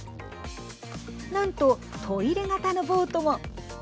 なんと、トイレ型のボートも。